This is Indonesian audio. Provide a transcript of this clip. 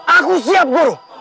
aku siap guru